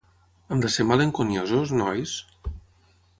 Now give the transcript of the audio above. Hem de ser malenconiosos, nois?